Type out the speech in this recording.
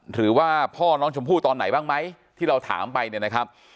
หรือว่าพ่อน้องชมพู่ตอนไหนบ้างไหมที่เราถามไปเนี่ยนะครับ